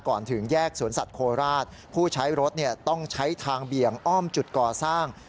ถึงแยกสวนสัตว์โคราชผู้ใช้รถต้องใช้ทางเบี่ยงอ้อมจุดก่อสร้าง